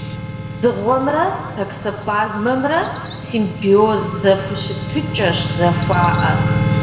Дзыгъуэмрэ токсоплазмэмрэ симбиоз зэхущытыкӏэщ зэхуаӏэр.